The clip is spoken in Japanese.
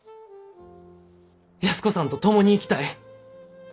安子さんと共に生きたい。